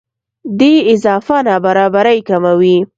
دې اضافه نابرابرۍ کموي.